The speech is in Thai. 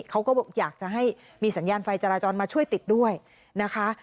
เขาก็อยากจะให้มีสัญญาณไฟจราจรมาช่วยติดด้วยนะคะ